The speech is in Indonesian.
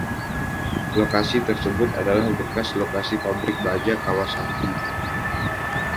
Lokasi tersebut adalah bekas lokasi pabrik Baja Kawasaki.